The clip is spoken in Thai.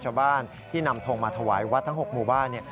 ชาวบ้านที่นำทงมาถวายวัดทั้ง๖หมู่บ้าน